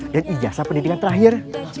dan ijasa pendidikan terakhir